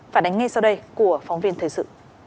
phản ánh ngay sau đây của phóng viên thời sự